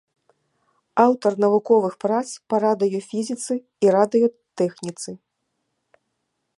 Аўтар навуковых прац па радыёфізіцы і радыётэхніцы.